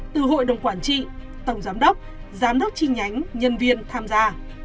từ hội đồng quản trị tổng giám đốc giám đốc chi nhánh nhân viên tham gia